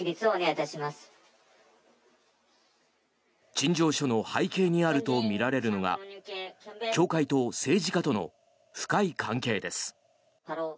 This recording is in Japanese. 陳情書の背景にあるとみられるのが教会と政治家との深い関係です。